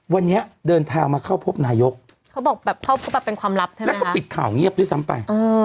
วันนี้เดินทางมาเข้าพบนายกเขาบอกแบบเข้าพบแบบเป็นความลับใช่ไหมแล้วก็ปิดข่าวเงียบด้วยซ้ำไป